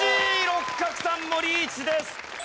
六角さんもリーチです。